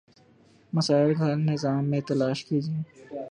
مسائل کا حل نظام میں تلاش کیجیے۔